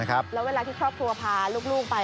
แล้วเวลาที่ครอบครัวพาลูกไป